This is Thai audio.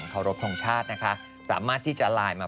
นี่เองในการตรวจร้าย